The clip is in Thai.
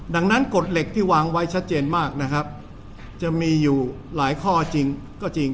ดังนั้นกฎเหล็กที่วางไว้ชัดเจนมากนะครับจะมีอยู่หลายข้อจริงก็จริง